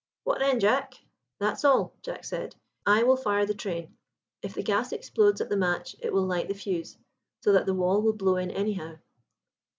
"What then, Jack?" "That's all," Jack said; "I will fire the train. If the gas explodes at the match it will light the fuse, so that the wall will blow in anyhow."